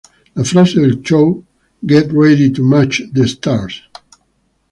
La frase del show "Get ready to match the stars!